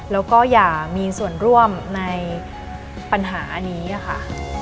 แล้วก็อย่ามีส่วนร่วมในปัญหานี้ค่ะ